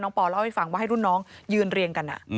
ปอเล่าให้ฟังว่าให้รุ่นน้องยืนเรียงกัน